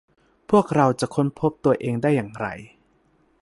พวกเราจะค้นพบตัวเองได้อย่างไร